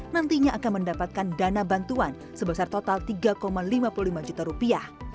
nantinya akan mendapatkan dana bantuan sebesar total tiga lima puluh lima juta rupiah